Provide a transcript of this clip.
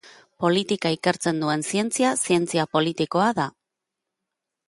Politika ikertzen duen zientzia, zientzia politikoa da.